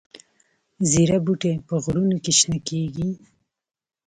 زیره بوټی په غرونو کې شنه کیږي؟